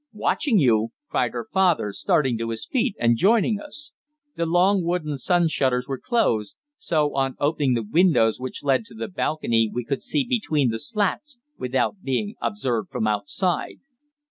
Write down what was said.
"Watching you!" cried her father, starting to his feet and joining us. The long wooden sun shutters were closed, so, on opening the windows which led to the balcony we could see between the slats without being observed from outside.